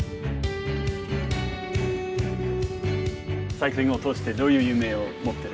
サイクリングを通してどういう夢を持ってる。